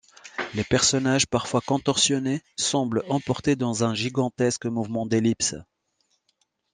Les personnages, parfois contorsionnés, semblent emportés dans un gigantesque mouvement d'ellipse.